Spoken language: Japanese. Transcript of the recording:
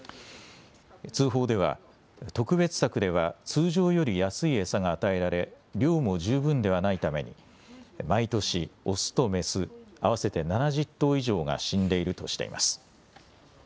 通報では特別柵では通常より安い餌が与えられ量も十分ではないために毎年、雄と雌、合わせて７０頭以上が死んでいるとしています。